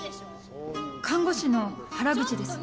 看護師の原口です。